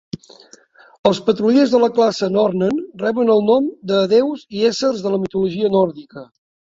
Els patrullers de la classe "Nornen" reben el nom de déus i éssers de la mitologia nòrdica.